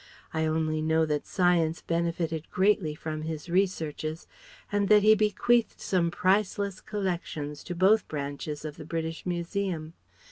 I only know that Science benefited greatly from his researches, and that he bequeathed some priceless collections to both branches of the British Museum.